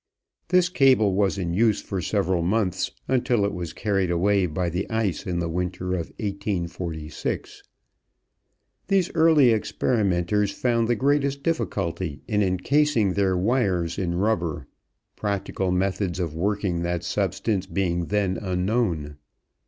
This cable was in use for several months until it was carried away by the ice in the winter of 1846. These early experimenters found the greatest difficulty in incasing their wires in rubber, practical methods of working that substance being then unknown.